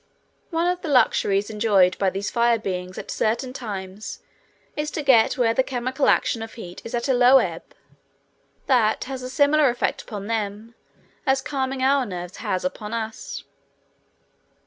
One of the luxuries enjoyed by these fire beings at certain times is to get where the chemical action of heat is at a low ebb. That has a similar effect upon them as calming our nerves has upon us.